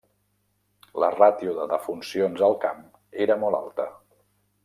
La ràtio de defuncions al camp era molt alta.